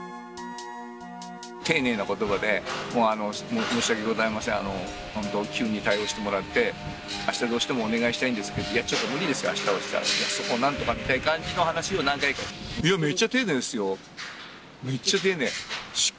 丁寧なことばで、申し訳ございません、本当、急に対応してもらって、あした、どうしてもお願いしたいんですけど、ちょっと無理です、あしたはって言ったら、そこをなんとかっていう感じの話を何回か。